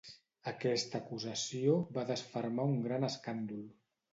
Aquesta acusació va desfermar un gran escàndol.